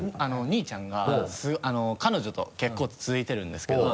兄ちゃんが彼女と結構続いてるんですけど。